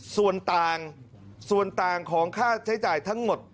ส่วนต่างส่วนต่างของค่าใช้จ่ายทั้งหมด